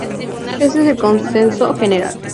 Este es el consenso general.